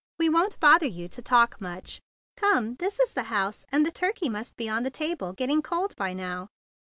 We won't bother you to talk much. Come; this is the house, and the turkey must be on the table getting cold by now."